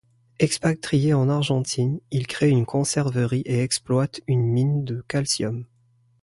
Expatrié en Argentine, il crée une conserverie et exploite une mine de calcium.